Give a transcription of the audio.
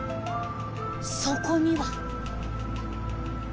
そこには。